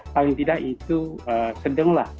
paling tidak itu sedang